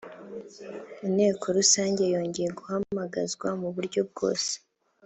inteko rusange yongera guhamagazwa mu buryo bwose